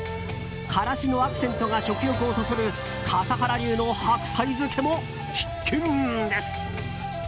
辛子のアクセントが食欲をそそる笠原流の白菜漬けも必見です。